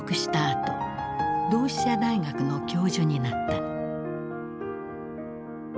あと同志社大学の教授になった。